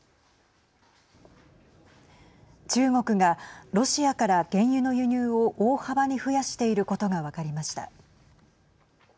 中国が、ロシアから原油の輸入を大幅に増やしていることが分かりました。